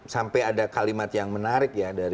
sampai ada kalimat yang menarik ya